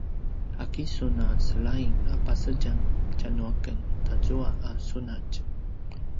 ’aki sun a selaing a pasedjam tjanuaken tazua a sunatj?